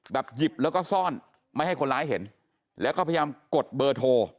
หยิบแล้วก็ซ่อนไม่ให้คนร้ายเห็นแล้วก็พยายามกดเบอร์โทร